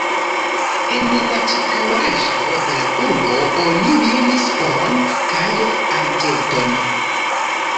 En la ĉirkaŭaĵo de la urbo oni minis oron kaj arĝenton.